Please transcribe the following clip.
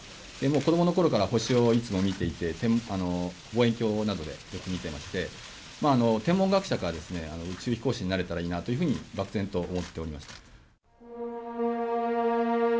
子どもの頃から星をいつも見ていて望遠鏡などでよく見てまして天文学者か宇宙飛行士になれたらいいなと漠然と思っておりました。